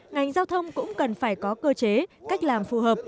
ngành giao thông cũng cần phải có cơ chế cách làm phù hợp